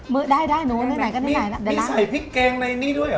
มีใส่พริกแกงในนี่ด้วยเหรอ